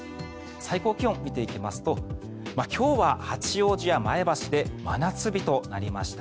最高気温を見ていきますと今日は八王子や前橋で真夏日となりました。